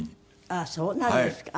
あっそうなんですか。